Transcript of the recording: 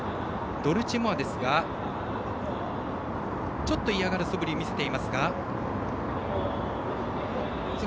ドルチェモアですが、ちょっと嫌がるそぶりを見せています。